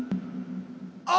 あ！